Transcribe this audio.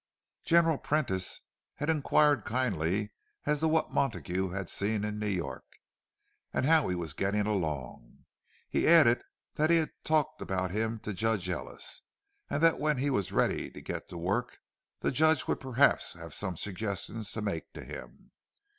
General Prentice had inquired kindly as to what Montague had seen in New York, and how he was getting along. He added that he had talked about him to Judge Ellis, and that when he was ready to get to work, the Judge would perhaps have some suggestions to make to him.